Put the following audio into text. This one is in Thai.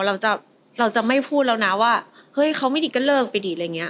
เราจะไม่พูดแล้วนะว่าเฮ้ยเขาไม่ดีก็เลิกไปดี